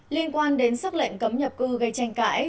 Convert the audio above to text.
liên quan đến xác lệnh cấm nhập cư gây tranh cãi